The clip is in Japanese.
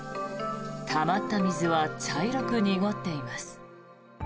たまった水は茶色く濁っています。